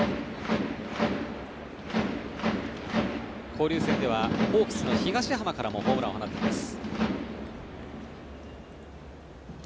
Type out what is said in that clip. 交流戦ではホークスの東浜からもホームランを放っています。